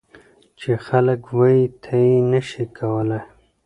چې خلک وایي ته یې نه شې کولای.